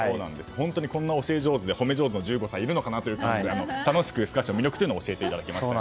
こんなに教え上手でほめ上手な１５歳いるのかなという感じですが楽しくスカッシュの魅力を教えてもらいました。